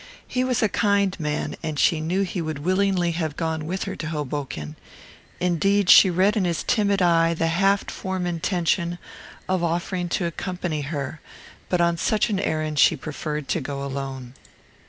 He was a kind man, and she knew he would willingly have gone with her to Hoboken; indeed she read in his timid eye the half formed intention of offering to accompany her but on such an errand she preferred to go alone.